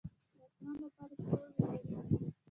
د اسمان لپاره ستوري اړین دي